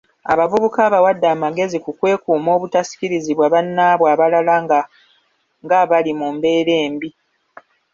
Abavubuka obawadde magezi ki okwekuuma obutasikirizibwa bannaabwe abalabika ng'abali mu mbeera ennungi?